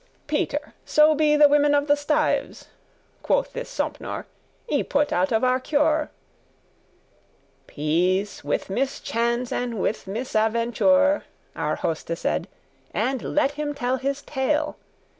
"Peter; so be the women of the stives,"* *stews Quoth this Sompnour, "y put out of our cure."* *care "Peace, with mischance and with misaventure," Our Hoste said, "and let him tell his tale.